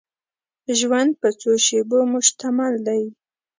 ژوند په څو شېبو مشتمل دی.